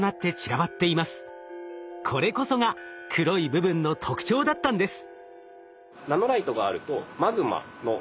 これこそが黒い部分の特徴だったんです。